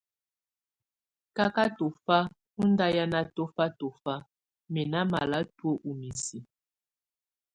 Kaka tɔfa ɔ nda hiana tɔna tɔfa mɛ na mala tuə ɔ misi.